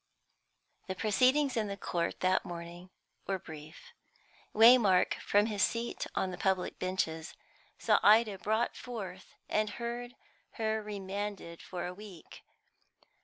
The proceedings in the court that morning were brief. Waymark, from his seat on the public benches, saw Ida brought forward, and heard her remanded for a week.